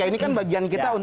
ini kan bagian kita